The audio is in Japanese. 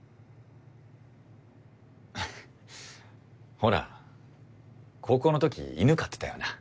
ほら高校の時犬飼ってたよな。